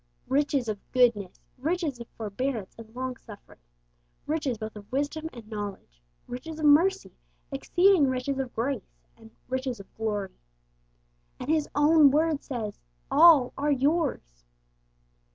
'Riches of goodness,' 'riches of forbearance and long suffering,' 'riches both of wisdom and knowledge,' 'riches of mercy,' 'exceeding riches of grace,' and 'riches of glory.' And His own Word says, 'All are yours!'